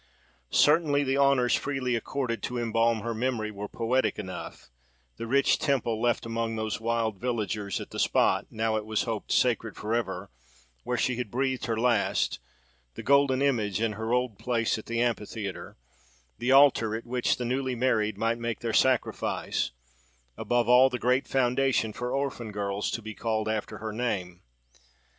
Certainly, the honours freely accorded to embalm her memory were poetic enough—the rich temple left among those wild villagers at the spot, now it was hoped sacred for ever, where she had breathed her last; the golden image, in her old place at the amphitheatre; the altar at which the newly married might make their sacrifice; above all, the great foundation for orphan girls, to be called after her name.